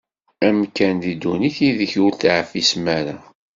Amkan di ddunit ideg ur teεfisem-ara.